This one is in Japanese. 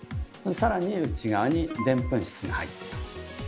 更に内側にでんぷん質が入ってます。